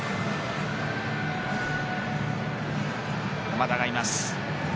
山田がいます。